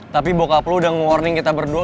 tapi bokap lo udah nge warning kita berdua